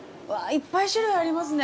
いっぱい種類がありますね。